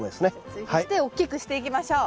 追肥して大きくしていきましょう。